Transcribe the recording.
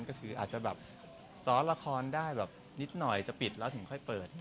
ก็คืออาจจะแบบซ้อนละครได้แบบนิดหน่อยจะปิดแล้วถึงค่อยเปิด